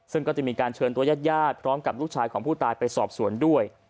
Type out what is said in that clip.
ซึ่งก็จะมีการเชิญตัวยาดพร้อมกับลูกชายของผู้ตายไปสอบสวนด้วย